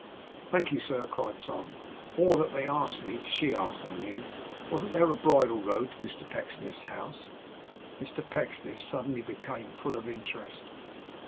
'Thank you, sir,' cried Tom. 'On that they asked me she asked, I mean "Wasn't there a bridle road to Mr Pecksniff's house?"' Mr Pecksniff suddenly became full of interest.